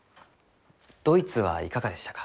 ドイツはいかがでしたか？